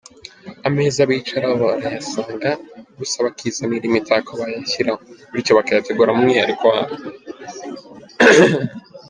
Ameza bicaraho barayasanga, gusa bakizanira imitako bayashyiraho, bityo bakayategura mu mwihariko wabo.